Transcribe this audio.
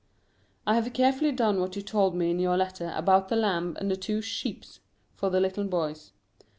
I have carefully done what you told me in your letter about the lamb and the two "sheeps" for the little boys.